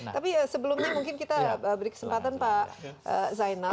tapi sebelumnya mungkin kita beri kesempatan pak zainal